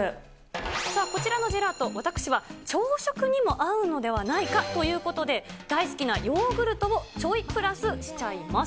さあ、こちらのジェラート、私は朝食にも合うのではないかということで、大好きなヨーグルトをちょいプラスしちゃいます。